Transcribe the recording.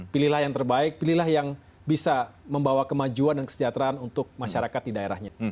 pilihlah yang terbaik pilihlah yang bisa membawa kemajuan dan kesejahteraan untuk masyarakat di daerahnya